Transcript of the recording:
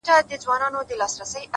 مثبت ذهن د حل لارې لټوي,